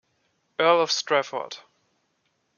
Earl of Strafford.